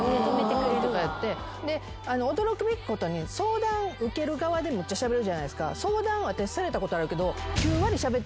驚くべきことに相談受ける側でむっちゃしゃべるじゃないですか。